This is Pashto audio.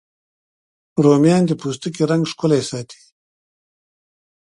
رومیان د پوستکي رنګ ښکلی ساتي